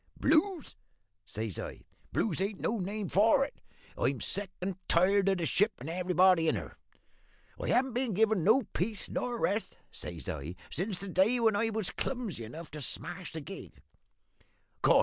"`Blues?' says I. `Blues ain't no name for it! I'm sick and tired of the ship, and everybody in her. I haven't been given no peace nor rest,' says I, `since the day when I was clumsy enough to smash the gig.